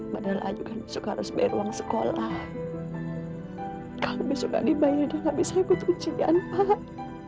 padahal ayo kan suka harus bayar uang sekolah kalau besok dibayar dan habis habis ujian pak